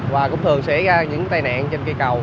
và cũng thường xảy ra những tai nạn trên cây cầu